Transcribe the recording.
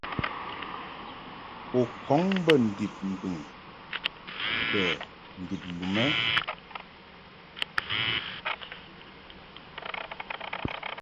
U kɔŋ bə ndib mbɨŋ kɛ ndib lum ɛ?